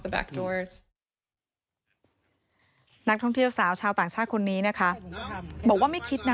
บอกว่าไม่คิดนะ